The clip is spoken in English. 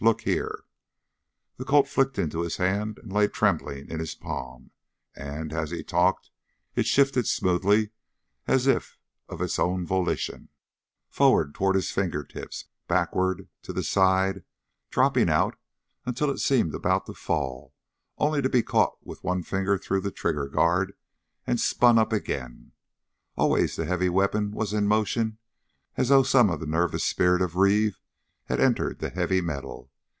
Look here!" The Colt flicked into his hand and lay trembling in his palm, and as he talked, it shifted smoothly, as if of its own volition, forward toward his fingertips, backward, to the side, dropping out until it seemed about to fall, only to be caught with one finger through the trigger guard and spun up again. Always the heavy weapon was in motion as though some of the nervous spirit of Reeve had entered the heavy metal.